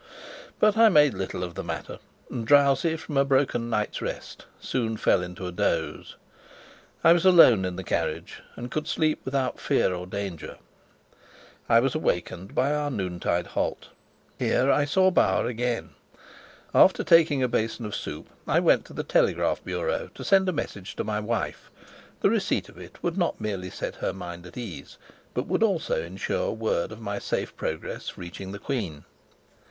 But I made little of the matter, and, drowsy from a broken night's rest, soon fell into a doze. I was alone in the carriage and could sleep without fear or danger. I was awakened by our noontide halt. Here I saw Bauer again. After taking a basin of soup, I went to the telegraph bureau to send a message to my wife; the receipt of it would not merely set her mind at ease, but would also ensure word of my safe progress reaching the queen.